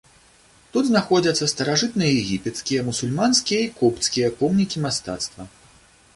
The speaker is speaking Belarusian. Тут знаходзяцца старажытнаегіпецкія, мусульманскія і копцкія помнікі мастацтва.